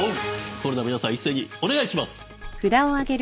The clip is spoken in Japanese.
それでは皆さん一斉にお願いします。